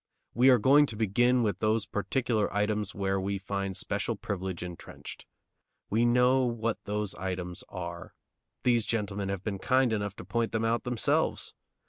We are going to begin with those particular items where we find special privilege intrenched. We know what those items are; these gentlemen have been kind enough to point them out themselves.